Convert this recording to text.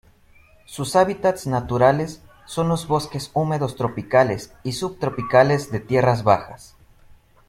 Sus hábitats naturales son los bosques húmedos tropicales y subtropicales de tierras bajas.